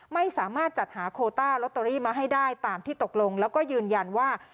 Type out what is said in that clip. ไม่สามารถจัดหาโคต้าลอตเตอรี่มาให้ได้ตามที่ตกลงแล้วก็ยืนยันว่า